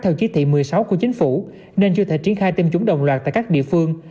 theo chí thị một mươi sáu của chính phủ nên chưa thể triển khai tiêm chủng đồng loạt tại các địa phương